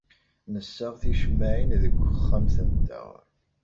Nessaɣ ticemmaɛin deg texxamt-nteɣ.